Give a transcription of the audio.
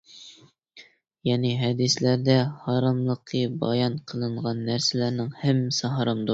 يەنى ھەدىسلەردە ھاراملىقى بايان قىلىنغان نەرسىلەرنىڭ ھەممىسى ھارامدۇر.